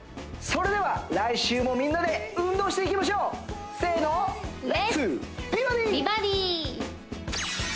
それでは来週もみんなで運動していきましょうせーのレッツ！